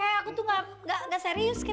aku tuh nggak serius kakek